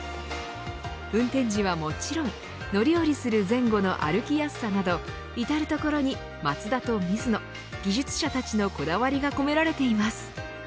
運転時はもちろん乗り降りする前後の歩きやすさなど至るところに、マツダとミズノ技術者たちのこだわりが込められています。